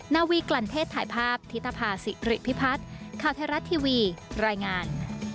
นาวีกลั่นเทศถ่ายภาพธิตภาษิริพิพัฒน์ข่าวไทยรัฐทีวีรายงาน